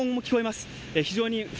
ごう音も聞こえます。